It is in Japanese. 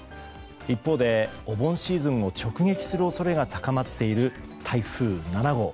一方でお盆シーズンを直撃する恐れが高まっている台風７号。